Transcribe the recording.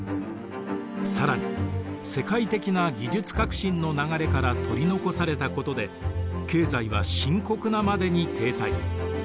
更に世界的な技術革新の流れから取り残されたことで経済は深刻なまでに停滞。